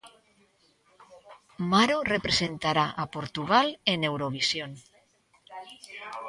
Maro representará a Portugal en Eurovisión.